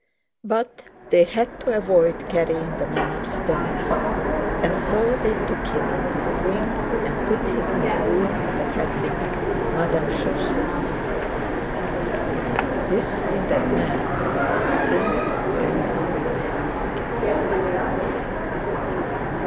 But they had to avoid carrying the man upstairs, and so they took him into the wing and put him in the room that had been Madame Schoss'. This wounded man was Prince Andrew Bolkónski.